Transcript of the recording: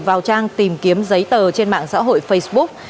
vào trang tìm kiếm giấy tờ trên mạng xã hội facebook